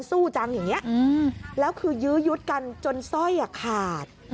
สู้จังอย่างนี้แล้วคือยื้อยุดกันจนสร้อยขาด